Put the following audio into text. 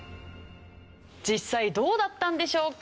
実際どうだったんでしょうか？